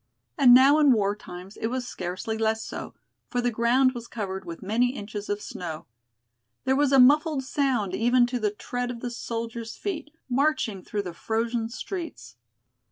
And now in war times it was scarcely less so, for the ground was covered with many inches of snow. There was a muffled sound even to the tread of the soldiers' feet, marching through the frozen streets.